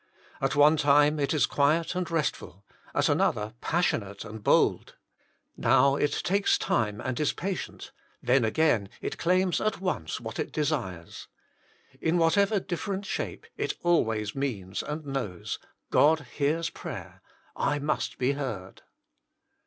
At one time it is quiet and restful ; at another passionate and bold. Now it takes time and is patient ; then again it claims at once what it desires. In whatever different shape, it always means and knows God hears prayer: I must be heard.